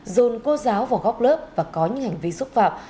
dồn cô giáo vào góc lớp và có những hành vi xúc phạm